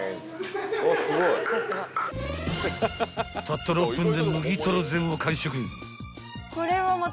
［たった６分で麦とろ膳を完食］